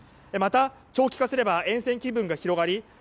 また、長期化すれば厭戦気分が広がり